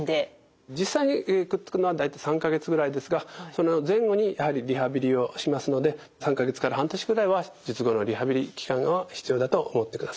実際にくっつくのは大体３か月ぐらいですがその前後にやはりリハビリをしますので３か月から半年ぐらいは術後のリハビリ期間が必要だと思ってください。